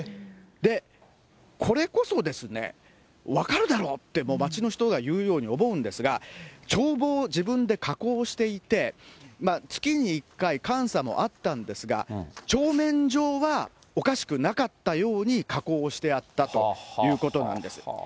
で、これこそですね、分かるだろうって、町の人が言うように思うんですが、帳簿を自分で加工していて、月に１回、監査もあったんですが、帳面上はおかしくなかったように加工をしてあったということなんです。